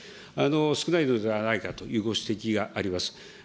少ないのではないかというご指摘があります。